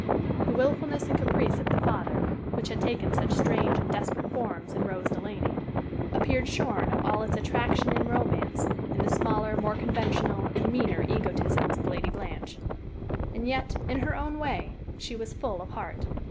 The wilfulness and caprice of the father, which had taken such strange and desperate forms in Rose Delaney, appeared shorn of all its attraction and romance in the smaller, more conventional, and meaner egotisms of Lady Blanche. And yet, in her own way, she was full of heart.